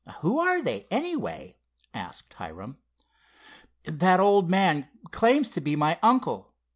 "Who are they, anyway?" asked Hiram. "That old man claims to be my uncle.